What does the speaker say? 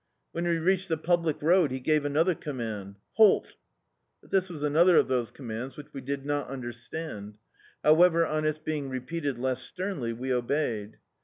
When we reached the public road, he gave another command — "Halt!" But this was another of those commands which we did not understand. However, ca its being repeated less sternly we obeyed.